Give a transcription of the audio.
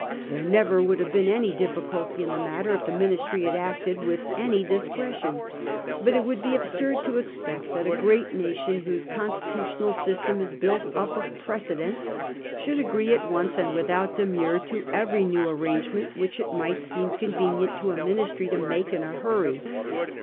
There never would have been any difficulty in the matter if the Ministry had acted with any dis cretion ; but it would be absurd to expect that a great nation, whose constitutional system is built up of precedents, should agree at once and without demur to every new arrangement which it might seem convenient to a Ministry to make in a hurry.